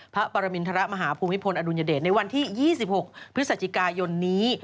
พระปรมินทรมาฮภูมิพลอดุลยเดชในวันที่๒๖พฤศจิกายนนี้